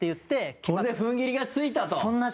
中居：これで踏ん切りがついたという。